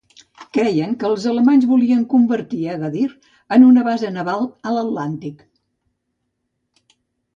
Creien que els alemanys volien convertir Agadir en una base naval a l'Atlàntic.